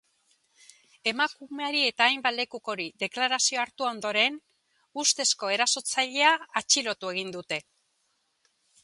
Emakumeari eta hainbat lekukori deklarazioa hartu ondoren, ustezko erasotzailea atxilotu egin dute.